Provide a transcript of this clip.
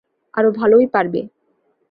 আরো ভালোই পারবে।